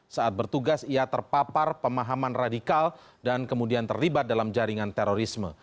saat bertugas ia terpapar pemahaman radikal dan kemudian terlibat dalam jaringan terorisme